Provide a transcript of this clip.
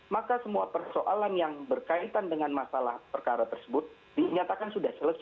maka semua persoalan yang berkaitan dengan masalah perkara tersebut dinyatakan sudah selesai